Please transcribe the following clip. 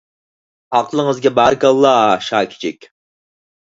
ھەقلىڭىزگە بارىكاللاھ شاكىچىك.